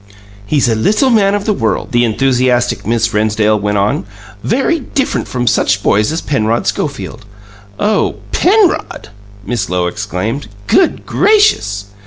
"He's a little man of the world," the enthusiastic Miss Rennsdale went on, "very different from such boys as Penrod Schofield!" "Oh, PENROD!" Miss Lowe exclaimed. "Good gracious!"